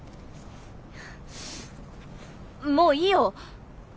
もういいよ。